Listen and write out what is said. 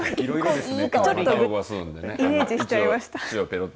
イメージしちゃいました。